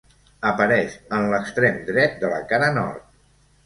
Apareix en l'extrem dret de la cara nord.